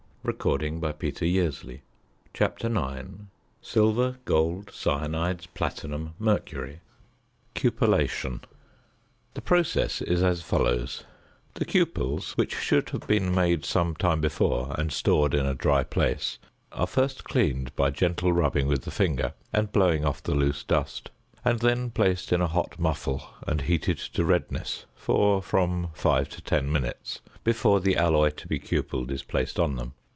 These facts serve to explain some apparently irregular results got in practice. CUPELLATION. The process is as follows: The cupels, which should have been made some time before and stored in a dry place, are first cleaned by gentle rubbing with the finger and blowing off the loose dust; and then placed in a hot muffle and heated to redness for from 5 to 10 minutes before the alloy to be cupelled is placed on them.